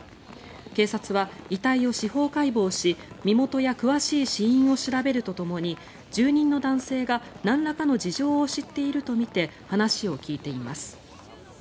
警察は遺体を司法解剖し身元や詳しい死因を調べるとともに住人の男性が、なんらかの事情を知っているとみて話を聞いています。